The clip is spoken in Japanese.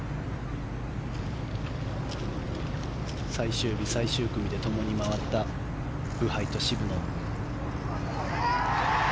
最終日、最終組でともに回ったブハイと渋野。